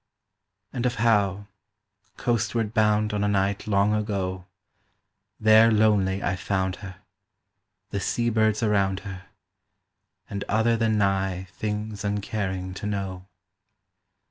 And of how, coastward bound on a night long ago, There lonely I found her, The sea birds around her, And other than nigh things uncaring to know.